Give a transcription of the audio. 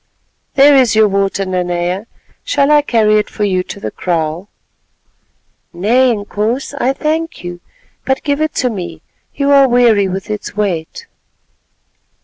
"There is your water, Nanea, shall I carry it for you to the kraal?" "Nay, Inkoos, I thank you, but give it to me, you are weary with its weight."